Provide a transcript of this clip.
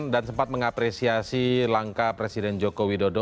dan sempat mengapresiasi langkah presiden joko widodo